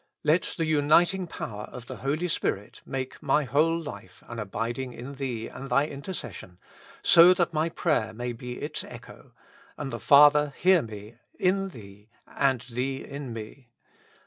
Let the uniting power of the Holy Spirit make my whole life an abiding in Thee and Thy intercession, so that my prayer may be its echo, and the Father hear me in Thee and Thee in me.